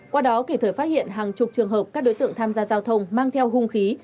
qua đó kịp thời phát hiện hàng chục trường hợp các đối tượng tham gia giao thông mang theo hung khí